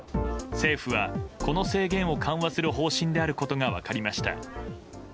政府は、この制限を緩和する方針であることが分かりました。